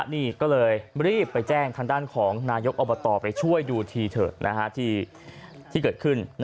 นี่ก็เลยรีบไปแจ้งทางด้านของนายกอบตไปช่วยดูทีเถอะที่เกิดขึ้น